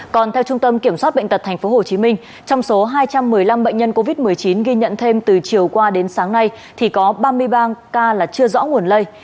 còn theo trung tâm kiểm soát bệnh tật tp hcm trong số hai trăm một mươi năm bệnh nhân covid một mươi chín ghi nhận thêm từ chiều qua đến sáng nay thì có ba mươi ba ca là chưa rõ nguồn lây